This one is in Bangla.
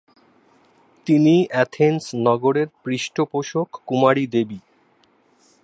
তিনি অ্যাথেন্স নগরের পৃষ্ঠপোষক কুমারী দেবী।